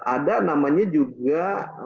ada namanya juga